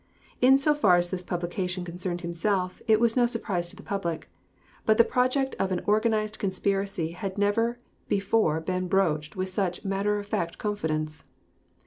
In so far as this publication concerned himself, it was no surprise to the public; but the project of an organized conspiracy had never before been broached with such matter of fact confidence.